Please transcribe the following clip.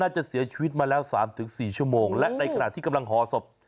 จะเสียชีวิตมาแล้ว๓๔ชั่วโมงและในขณะที่กำลังห่อศพ